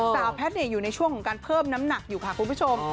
แพทย์อยู่ในช่วงของการเพิ่มน้ำหนักอยู่ค่ะคุณผู้ชม